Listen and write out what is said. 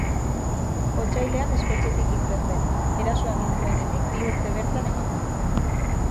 Otsailean espetxetik irten zen, erasoa egin zuenetik bi urte bertan emanda.